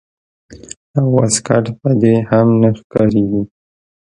او واسکټ به دې هم نه ښکارېږي.